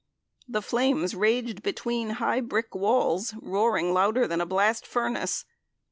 The flames raged between high brick walls, roaring louder than a blast furnace.